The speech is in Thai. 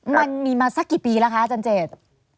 มันมีมาสักกี่ปีแล้วคะอาจารย์เจต